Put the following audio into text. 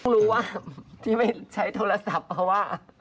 รู้ว่าที่ไม่ใช้โทรศัพท์เพราะว่า